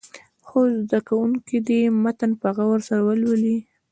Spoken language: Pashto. څو زده کوونکي دې متن په غور سره ولولي.